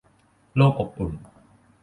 โลกอบอุ่น